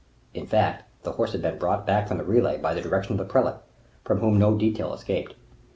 In fact, the horse had been brought back from the relay by the direction of the prelate, from whom no detail escaped.